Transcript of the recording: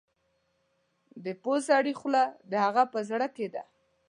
د پوه سړي خوله د هغه په زړه کې ده.